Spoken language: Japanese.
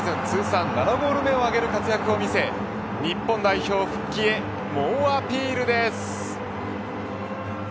通算７ゴール目を挙げる活躍を見せ日本代表復帰へ猛アピールです。